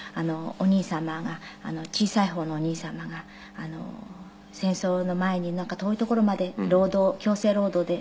お兄様が小さい方のお兄様が戦争の前に遠い所まで労働強制労働で。